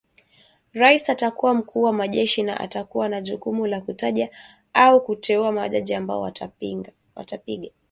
Rais atakuwa mkuu wa majeshi na atakuwa na jukumu la kutaja au kuteua majaji ambao watapiga marufuku mgomo